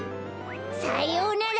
さようなら！